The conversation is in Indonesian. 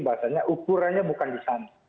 bahasanya ukurannya bukan di sana